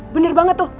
bener banget tuh